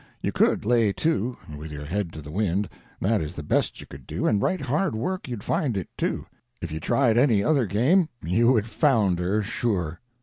You could lay to, with your head to the wind—that is the best you could do, and right hard work you'd find it, too. If you tried any other game, you would founder, sure.